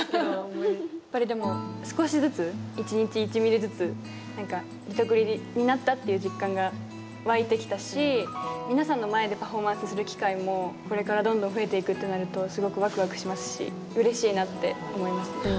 やっぱりでも少しずつ一日１ミリずつリトグリになったっていう実感が湧いてきたし皆さんの前でパフォーマンスする機会もこれからどんどん増えていくってなるとすごくワクワクしますしうれしいなって思いますね。